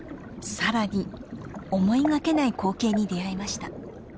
さらに思いがけない光景に出会いました。